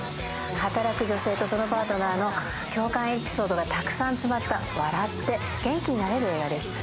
働く女性とそのパートナーの共感エピソードがたくさん詰まった笑って元気になれる映画です。